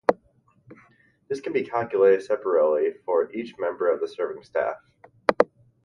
This can be calculated separately for each member of the serving staff.